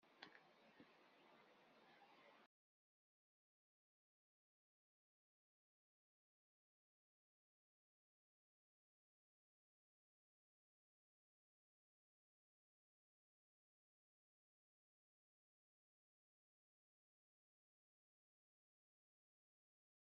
Ḥemmlen tutlayt taqbaylit.